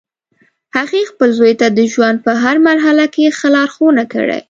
هغې خپل زوی ته د ژوند په هر مرحله کې ښه لارښوونه کړی